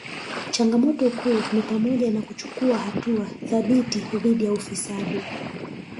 Changamoto kuu ni pamoja na kuchukua hatua thabiti dhidi ya ufisadi